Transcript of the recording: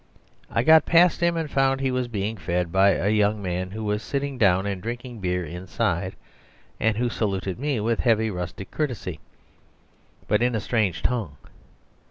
I got past him, and found he was being fed by a young man who was sitting down and drinking beer inside, and who saluted me with heavy rustic courtesy, but in a strange tongue.